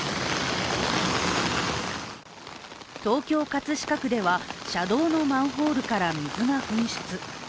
東京・葛飾区では車道のマンホールから水が噴出。